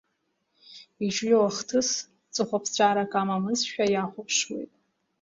Иҿио ахҭыс ҵыхәаԥҵәарак амамызшәа иахәаԥшуеит.